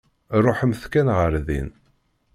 Ṛuḥemt kan ɣer din.